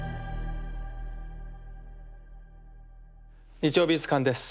「日曜美術館」です。